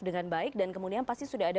dengan baik dan kemudian pasti sudah ada